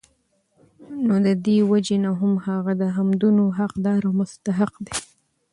نو د دي وجي نه هم هغه د حمدونو حقدار او مستحق دی